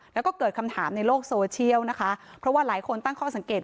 แล้วก็เกิดคำถามในโลกโซเชียลนะคะเพราะว่าหลายคนตั้งข้อสังเกต